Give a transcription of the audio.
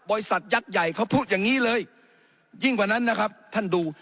ยักษ์ใหญ่เขาพูดอย่างนี้เลยยิ่งกว่านั้นนะครับท่านดู